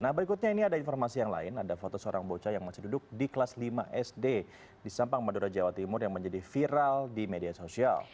nah berikutnya ini ada informasi yang lain ada foto seorang bocah yang masih duduk di kelas lima sd di sampang madura jawa timur yang menjadi viral di media sosial